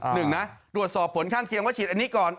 หนึ่งนะตรวจสอบผลข้างเคียงว่าฉีดอันนี้ก่อน